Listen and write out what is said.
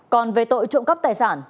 còn về tội trộm cắp tài sản